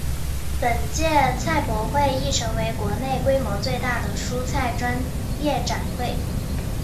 本届菜博会亦成为国内规模最大的蔬菜专业展会。